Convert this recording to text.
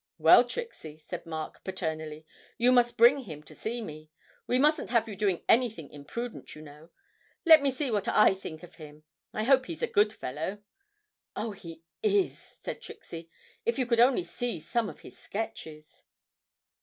'Well, Trixie,' said Mark paternally, 'you must bring him to see me. We mustn't have you doing anything imprudent, you know. Let me see what I think of him. I hope he's a good fellow?' 'Oh, he is,' said Trixie; 'if you could only see some of his sketches!'